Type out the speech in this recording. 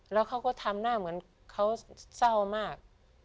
แล้วเขาก็ทำหน้าเหมือนเขาเศร้ามาก